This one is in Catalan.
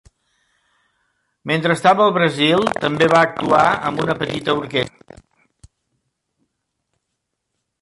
Mentre estava al Brasil, també va actuar amb una petita orquestra.